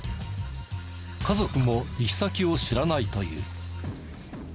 家族も行き先を知らないという。